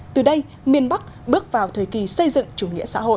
từ đây miền bắc bước vào thời kỳ xây dựng chủ nghĩa xã hội